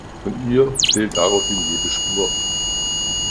Von ihr fehlt daraufhin jede Spur.